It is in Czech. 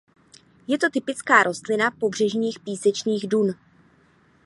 Je to typická rostlina pobřežních písečných dun.